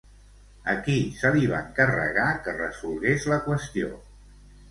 A qui se li va encarregar que resolgués la qüestió?